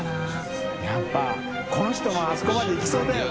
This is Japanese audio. この人もあそこまでいきそうだよな。